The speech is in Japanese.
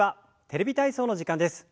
「テレビ体操」の時間です。